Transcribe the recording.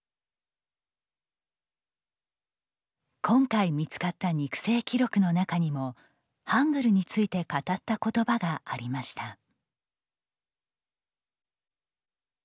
今回見つかった肉声記録の中にもハングルについて語った言葉がありました。